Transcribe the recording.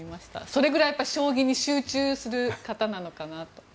それぐらい将棋に集中する方なのかなと。